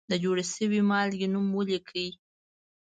د جوړې شوې مالګې نوم ولیکئ.